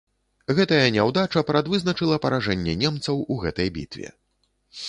Гэтая няўдача прадвызначыла паражэнне немцаў у гэтай бітве.